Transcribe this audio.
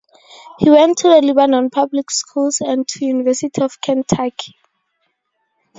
He went to the Lebanon public schools and to University of Kentucky.